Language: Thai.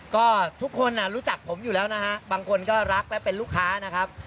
ก็ทุกคนรู้จักผมอยู่แล้วนะฮะบางคนก็รักและเป็นลูกค้านะครับ